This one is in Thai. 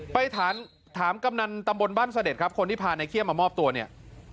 ไปถามกำนันตำบลบ้านเสด็จครับคนที่พานายเขี้ยมามอบตัวเนี่ย